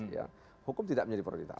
ya hukum tidak menjadi prioritas